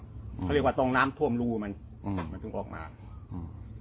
เขาเรียกว่าต้องน้ำท่วมรูมันอืมมันถึงออกมาอืม